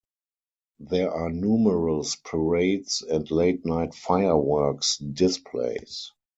There are numerous parades and late night fireworks displays.